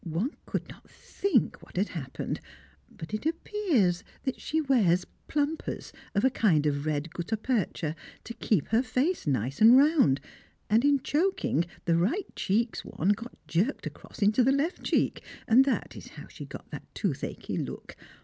One could not think what had happened; but it appears that she wears "plumpers," of a kind of red guttapercha, to keep her face nice and round, and in choking the right cheek's one got jerked across into the left cheek, and that is how she got the toothachy look.